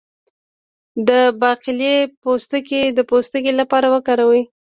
د باقلي پوستکی د پوستکي لپاره وکاروئ